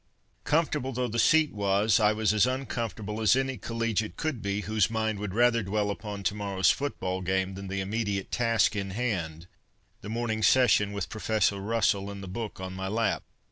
Comfortable though the seat was, I was as uncomfortable as any collegiate could be whose mind would rather dwell upon tomorrow's football game than the immediate task in hand the morning session with Professor Russell and the book on my lap.